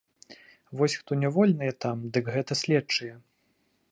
Вось хто нявольныя там, дык гэта следчыя.